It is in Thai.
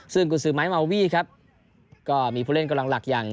ซึ่งกุญสือไม้มาวีครับก็มีผู้เล่นกำลังหลักอย่าง